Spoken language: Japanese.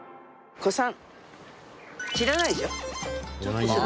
小さん。